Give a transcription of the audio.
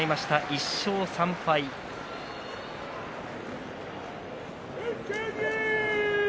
１勝３敗です。